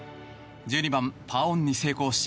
１２番、パーオンに成功し